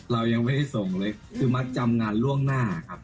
เรายังไม่ได้ส่งเลยคือมัดจำงานล่วงหน้าครับ